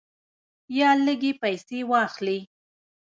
یا لږې پیسې واخلې.